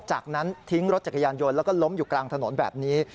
จากนั้นทิ้งรถจักรยานยนต์แล้วก็ล้มอยู่กลางถนนแบบนี้